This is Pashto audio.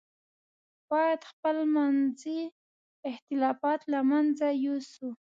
باید خپل منځي اختلافات له منځه یوسو.